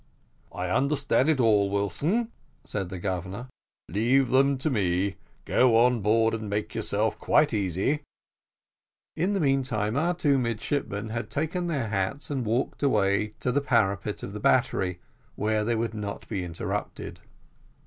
"I understand it all, Wilson," said the Governor; "leave them to me; go on board and make yourself quite easy." In the meantime our two midshipmen had taken their hats and walked away to the parapet of the battery, where they would not be interrupted.